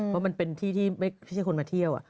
เพราะมันเป็นที่ที่ไม่ใช่คนมาเที่ยว